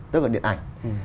tức là điện ảnh